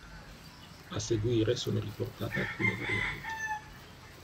A seguire sono riportate alcune varianti.